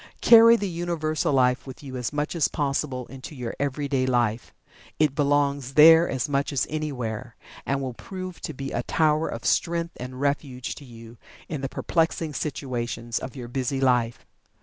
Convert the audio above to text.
Carry the Universal Life with you as much as possible into your everyday life. It belongs there as much as anywhere, and will prove to be a tower of strength and refuge to you in the perplexing situations of your busy life.